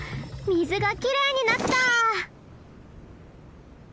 水がきれいになった！